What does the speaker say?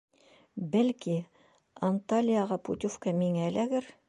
Бәлки, Анталияға путевка миңә эләгер?